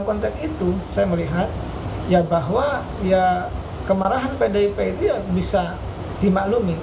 konteks itu saya melihat ya bahwa ya kemarahan pdip itu ya bisa dimaklumi